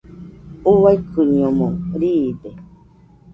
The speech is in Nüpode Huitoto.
Uaikɨñomo riide.